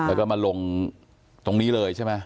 แล้วก็มาลงตรงนี้เลยใช่ไหม